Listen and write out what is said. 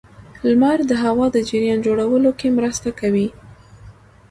• لمر د هوا د جریان جوړولو کې مرسته کوي.